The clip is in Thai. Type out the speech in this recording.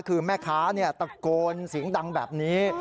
คือแม่ค้าตะโกนเสียงดังแบบนี้